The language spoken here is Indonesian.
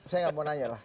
saya tidak mau nanya lah